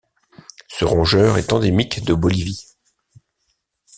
Ce rongeur est endémique de Bolivie.